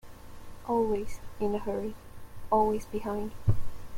Always in a hurry, always behind.